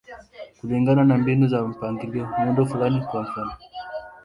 Kulingana na mbinu za mpangilio, muundo fulani, kwa mfano.